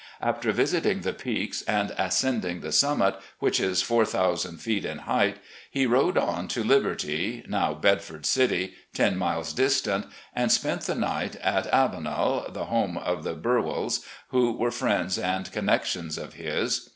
After visiting the Peaks and ascending the summit, which is 4,000 feet in height, he rode on to Liberty, now Bedford City, ten miles distant, and spent the night at "Avenel," the home of the Burwells, who were friends and connections of his.